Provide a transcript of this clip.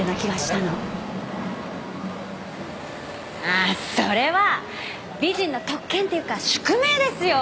ああそれは美人の特権っていうか宿命ですよ。